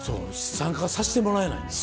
参加させてもらえないんですか？